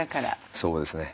そうですね。